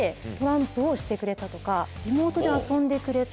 リモートで遊んでくれた。